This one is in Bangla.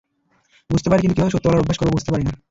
বুঝতে পারি কিন্তু কীভাবে সত্য বলার অভ্যাস করাব, বুঝতে পারি না।